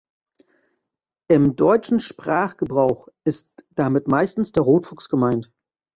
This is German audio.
Im deutschen Sprachgebrauch ist damit meistens der Rotfuchs gemeint.